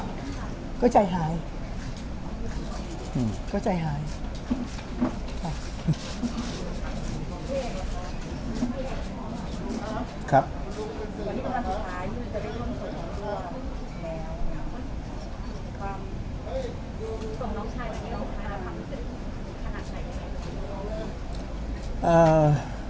วันนี้เป็นวันสุดท้ายจะได้ร่วมส่งตัวแล้วส่งน้องชายมานี่คุณค่ะความรู้สึกขนาดใดไหน